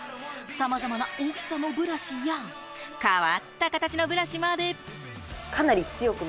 さまざまな大きさのブラシや変わった形のブラシまで。